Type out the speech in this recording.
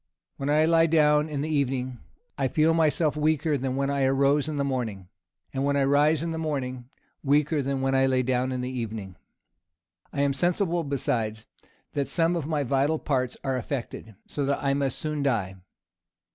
When I lie down in the evening, I feel myself weaker than when I rose in the morning; and when I rise in the morning, weaker than when I lay down in the evening. I am sensible besides, that some of my vital parts are affected, so that I must soon die."